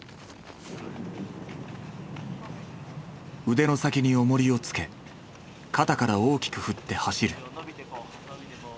腕の先におもりをつけ肩から大きく振って走る。